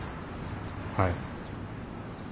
はい。